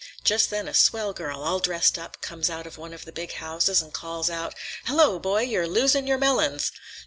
Just then a swell girl, all dressed up, comes out of one of the big houses and calls out, 'Hello, boy, you're losing your melons!